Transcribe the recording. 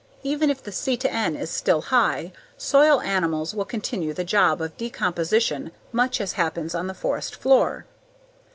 Even if the C/N is still high soil animals will continue the job of decomposition much as happens on the forest floor.